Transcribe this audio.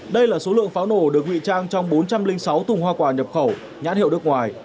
đây là số lượng pháo nổ được nguy trang trong bốn trăm linh sáu thùng hoa quả nhập khẩu nhãn hiệu nước ngoài